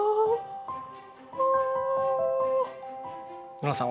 ノラさん